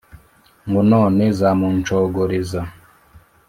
Ngo none zamuncogoreza,